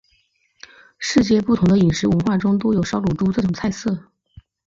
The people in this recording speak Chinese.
世界不同的饮食文化中都有烧乳猪这种菜色。